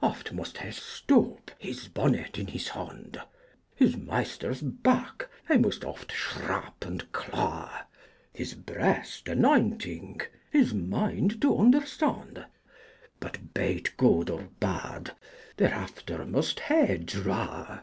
Oft must he stoupe his bonet in his honde, His maysters back he must oft shrape and clawe, His brest anoyntynge, his mynde to understonde, But be it gode or bad therafter must he drawe.